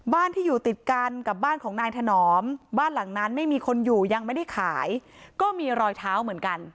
บ้านที่อยู่ติดกันกับบ้านของนายถนอมบ้านหลังนั้นไม่มีคนอยู่ยังไม่ได้ขายก็มีรอยเท้าเหมือนกัน